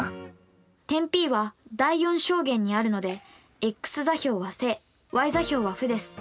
点Ｐは第４象限にあるのでｘ座標は正ｙ座標は負です。